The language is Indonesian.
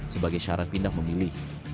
sebagai syarat pindah memilih